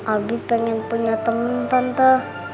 abi pengen punya temen tante